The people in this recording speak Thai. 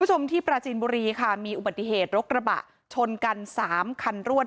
คุณผู้ชมที่ปราจีนบุรีค่ะมีอุบัติเหตุรถกระบะชนกันสามคันรวด